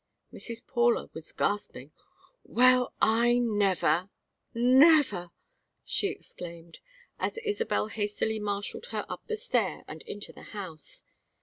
Mrs. Paula was gasping. "Well, I never never " she exclaimed, as Isabel hastily marshalled her up the stair and into the house.